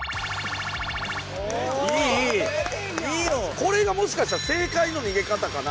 これがもしかしたら正解の逃げ方かな。